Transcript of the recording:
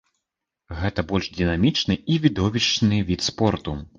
Гэта больш дынамічны і відовішчны від спорту.